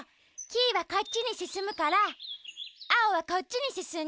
キイはこっちにすすむからアオはこっちにすすんで。